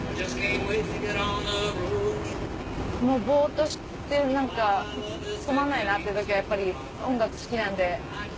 ぼっとしてなんかつまんないなっていう時はやっぱり音楽好きなんで。